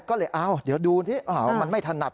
ก็เลยอ้าวเดี๋ยวดูนิดนึงอ้าวมันไม่ถนัด